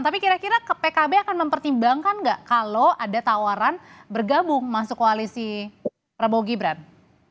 tapi kira kira pkb akan mempertimbangkan nggak kalau ada tawaran bergabung masuk koalisi prabowo gibran